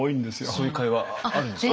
そういう会話あるんですか？